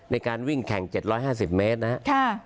ในการวิ่งแข่ง๗๕๐เมตรนะครับ